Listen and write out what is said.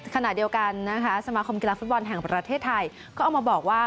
ขณะเดียวกันนะคะสมาคมกีฬาฟุตบอลแห่งประเทศไทยก็เอามาบอกว่า